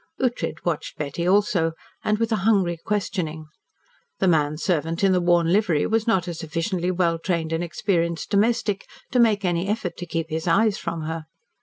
Ughtred watched Betty also, and with a hungry questioning. The man servant in the worn livery was not a sufficiently well trained and experienced domestic to make any effort to keep his eyes from her.